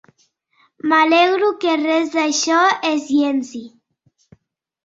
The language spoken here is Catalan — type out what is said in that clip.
M'alegro que res d'això es llenci.